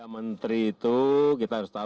menteri itu kita harus tahu